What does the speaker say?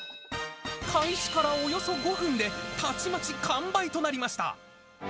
開始からおよそ５分で、たちまち完売となりました。